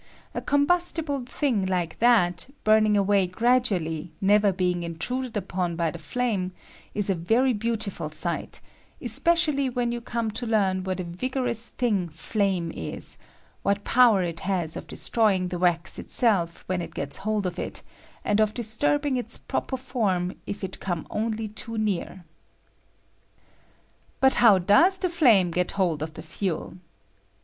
A combustible thing like that, burn ing away gradually, never being intruded upon "by the flame, is a very beautiful sight, especial ly when you come to learn what a vigorous thing flame is — what power it has of destroy ing the wax itself when it gels hold of it, and of disturbing its proper form if it come only too 1 J CAPILLAHY ATTBACTIOS. But how does the flame get hold of the fuel